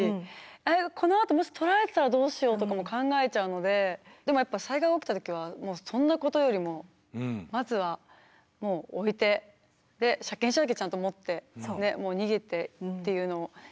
このあともしとられてたらどうしようとかも考えちゃうのででもやっぱ災害起きた時はそんなことよりもまずはもう置いてで車検証だけちゃんと持ってもう逃げてっていうのをするの大事だなって思いました。